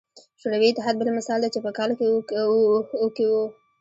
شوروي اتحاد بل مثال دی چې په کال او کې وو.